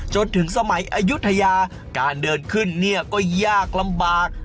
จนถึงสมัยอายุทยาการเดินขึ้นเนี่ยก็ยากลำบาก